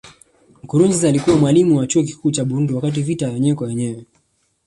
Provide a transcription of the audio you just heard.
Nkurunziza alikuwa mwalimu wa Chuo Kikuu cha Burundi wakati vita ya wenyewe kwa wenyewe